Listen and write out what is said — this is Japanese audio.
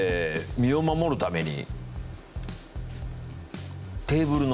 「身を守るために」。